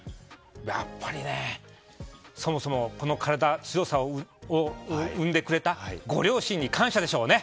やっぱり、そもそもこの体の強さを生んでくれたご両親に感謝でしょうね。